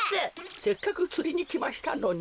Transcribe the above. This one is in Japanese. せっかくつりにきましたのに。